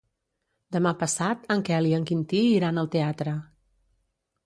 Demà passat en Quel i en Quintí iran al teatre.